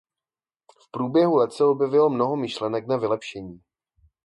V průběhu let se objevilo mnoho myšlenek na vylepšení.